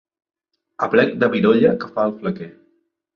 Aplec de virolla que fa el flequer.